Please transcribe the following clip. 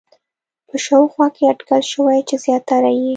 په شاوخوا کې اټکل شوی چې زیاتره یې